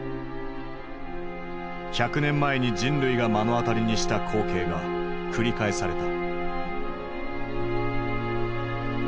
１００年前に人類が目の当たりにした光景が繰り返された。